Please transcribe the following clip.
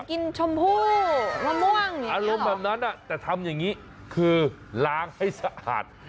ชมพู่มะม่วงอารมณ์แบบนั้นแต่ทำอย่างนี้คือล้างให้สะอาด